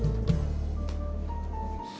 kamu mau ngeliatin saya begitu atau kum